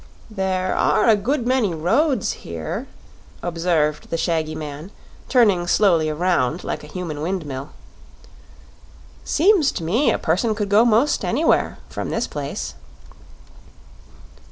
"There are a good many roads here," observed the shaggy man, turning slowly around, like a human windmill. "Seems to me a person could go 'most anywhere, from this place."